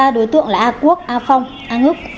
ba đối tượng là a quốc a phong a ngức